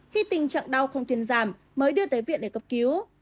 khi tình trạng đau không thuyền giảm mới đưa tới viện để cấp cứu